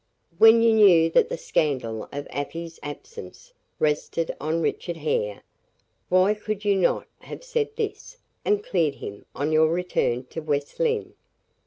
"When you knew that the scandal of Afy's absence rested on Richard Hare, why could you not have said this, and cleared him, on your return to West Lynne?"